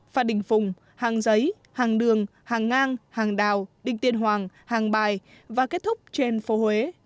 phan đình phùng hàng giấy hàng đường hàng ngang hàng đào đinh tiên hoàng hàng bài và kết thúc trên phố huế